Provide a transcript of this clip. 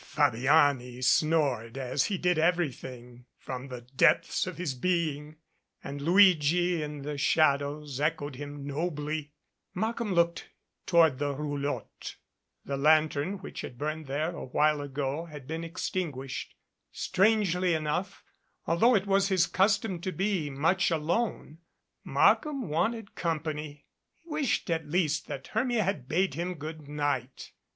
Fabiani snored, as he did everything, from the depths of his being, and Luigi, in the shadows, echoed him nobly. Markham looked toward the roulotte. The lantern which had burned there a while ago had been extinguished. Strangely enough, although it was his custom to be much alone, Markham wanted company. He wished at least that Hermia had bade him good night.